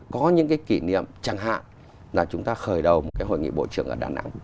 có những cái kỷ niệm chẳng hạn là chúng ta khởi đầu một cái hội nghị bộ trưởng ở đà nẵng